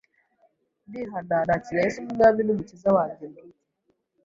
ndihana nakira Yesu nk’umwami n’umukiza wanjye bwite.